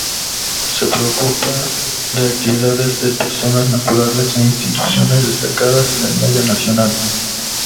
Se preocupa de actividades de personas naturales e instituciones destacadas en el medio nacional.